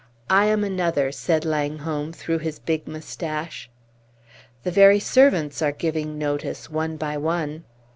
"I am another," said Langholm through his big mustache. "The very servants are giving notice, one by one!"